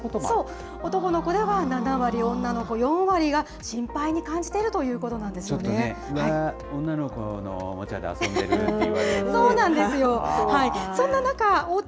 男の子では７割、女の子４割が、心配に感じているということなんちょっとね、わー、女の子のおもちゃで遊んでるって言われるとね。